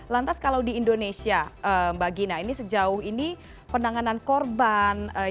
lantas kalau di indonesia mbak gina ini sejauh ini penanganan korban yang tentunya pasti terbunuh